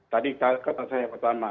tadi kata saya pertama